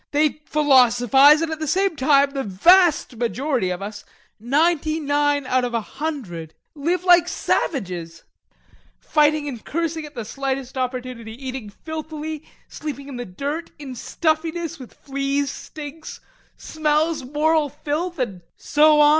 They philosophize, and at the same time, the vast majority of us, ninety nine out of a hundred, live like savages, fighting and cursing at the slightest opportunity, eating filthily, sleeping in the dirt, in stuffiness, with fleas, stinks, smells, moral filth, and so on...